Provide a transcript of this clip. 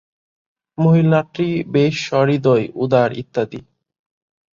মহিলাটি বেশ সহৃদয়, উদার ইত্যাদি।